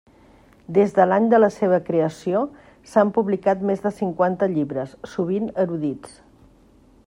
Des de l'any de la seva creació s'han publicat més de cinquanta llibres, sovint erudits.